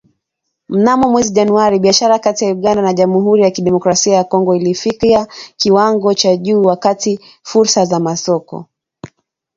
Mnamo mwezi Januari, biashara kati ya Uganda na Jamhuri ya kidemokrasia ya Kongo ilifikia kiwango cha juu, wakati fursa za masoko